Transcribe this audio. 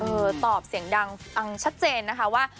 ตอบเสียงดังฟังชัดเจนนะคะว่า